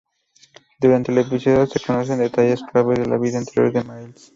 Durante el episodio se conocen detalles claves de la vida anterior de Miles.